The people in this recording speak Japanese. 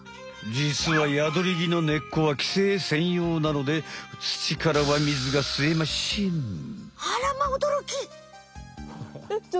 じつはヤドリギの根っこは寄生専用なので土からは水が吸えましぇん！